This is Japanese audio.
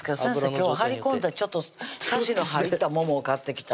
今日は張り込んでちょっとサシの入ったももを買ってきた